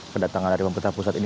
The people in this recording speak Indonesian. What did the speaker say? kedatangan dari pemerintah pusat ini